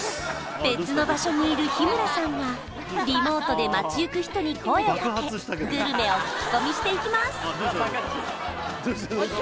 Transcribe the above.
別の場所にいる日村さんはリモートで街行く人に声をかけグルメを聞き込みしていきます